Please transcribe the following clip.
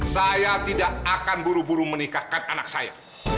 saya tidak akan buru buru menikahkan anak saya